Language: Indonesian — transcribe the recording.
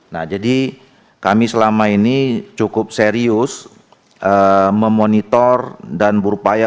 nah jadi kami selama ini cukup serius memonitor dan berupaya